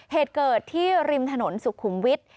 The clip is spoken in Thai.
เหตุเกิดที่ริมถนนสุขุมวิทย์